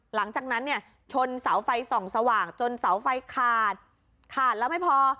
หลังจากนั้นเนี่ยชนเสาไฟส่องสว่างจนเสาไฟขาดขาดแล้วไม่พอ